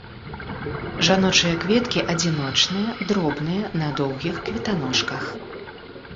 Жаночыя кветкі адзіночныя, дробныя, на доўгіх кветаножках.